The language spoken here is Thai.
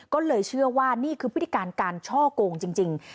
ก็เลยเชื่อว่านี่คือพฤติการการช่อกงจริง